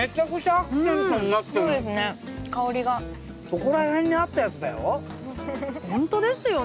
そこら辺にあったやつだよ？